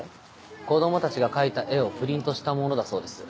子供たちが描いた絵をプリントしたものだそうです。